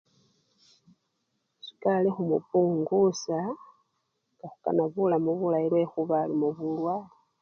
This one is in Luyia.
Sukali khumupungusya nga khwenya bulamu bulayi khubela esukari elimo bulwale.